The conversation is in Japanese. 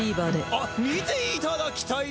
あっ見ていただきたい！